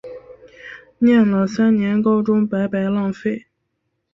念了三年高中白白浪费